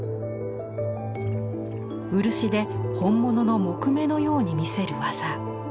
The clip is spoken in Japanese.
漆で本物の木目のように見せる技。